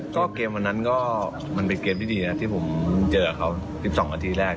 ก็เกมวันนั้นก็มันเป็นเกมที่ดีนะที่ผมเจอกับเขา๑๒นาทีแรก